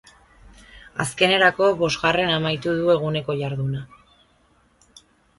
Azkenerako, bosgarren amaitu du eguneko jarduna.